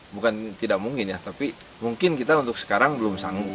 bukan tidak mungkin ya tapi mungkin kita untuk sekarang belum sanggup